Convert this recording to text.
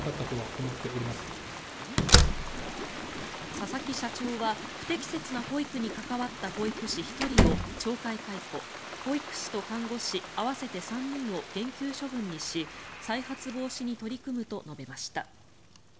佐々木社長は不適切な保育に関わった保育士１人を懲戒解雇保育士と看護師合わせて３人を減給処分にし再発防止に取り組むと述べました。